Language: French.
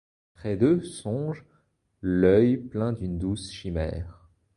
Près d'eux songent, l'oeil plein d'une douce chimère